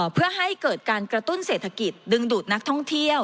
เพื่อให้เกิดการกระตุ้นเศรษฐกิจดึงดูดนักท่องเที่ยว